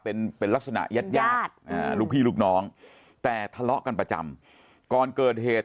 เป็นเป็นลักษณะยาดลูกพี่ลูกน้องแต่ทะเลาะกันประจำก่อนเกิดเหตุ